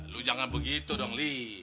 lu jangan begitu dong li